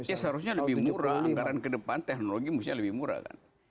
ya seharusnya lebih murah anggaran kedepan teknologi seharusnya lebih murah kan